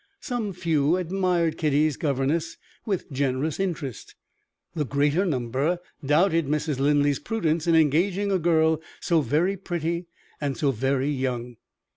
Some few admired Kitty's governess with generous interest; the greater number doubted Mrs. Linley's prudence in engaging a girl so very pretty and so very young.